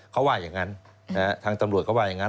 เขาว่าอย่างนั้นทางตำรวจเขาว่าอย่างนั้น